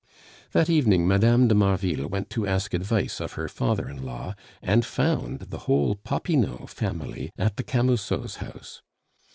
That evening Mme. de Marville went to ask advice of her father in law, and found the whole Popinot family at the Camusots' house.